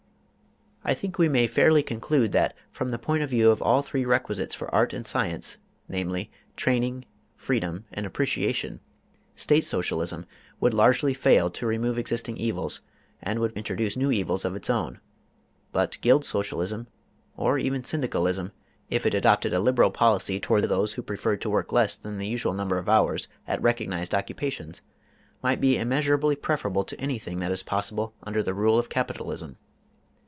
I think we may fairly conclude that, from the point of view of all three requisites for art and science, namely, training, freedom and appreciation, State Socialism would largely fail to remove existing evils and would introduce new evils of its own; but Guild Socialism, or even Syndicalism, if it adopted a liberal policy toward those who preferred to work less than the usual number of hours at recognized occupations, might be immeasurably preferable to anything that is possible under the rule of capitalism.